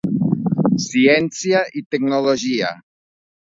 Ciència i Tecnologia.